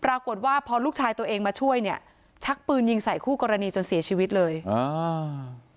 ปรากฏว่าพอลูกชายตัวเองมาช่วยเนี่ยชักปืนยิงใส่คู่กรณีจนเสียชีวิตเลยอ่า